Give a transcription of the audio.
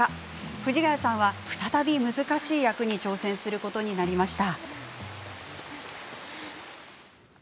藤ヶ谷さんは再び難しい役に挑戦することになりました。